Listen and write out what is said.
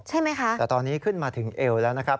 ใช่ไหมคะแต่ตอนนี้ขึ้นมาถึงเอวแล้วนะครับ